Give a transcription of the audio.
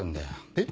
えっ？